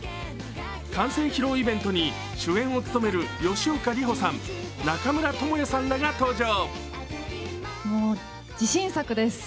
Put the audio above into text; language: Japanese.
完成披露イベントに主演を務める吉岡里帆さん、中村倫也さんらが登場。